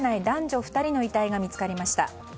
男女２人の遺体が見つかりました。